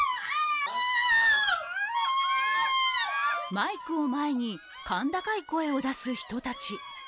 マイクを前に甲高い声を出す人たち。